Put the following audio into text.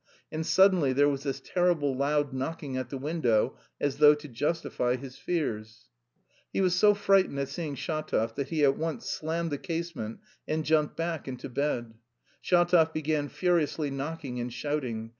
And suddenly there was this terrible loud knocking at the window as though to justify his fears. He was so frightened at seeing Shatov that he at once slammed the casement and jumped back into bed. Shatov began furiously knocking and shouting.